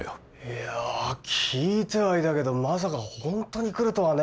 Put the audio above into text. いや聞いてはいたけどまさかホントに来るとはね。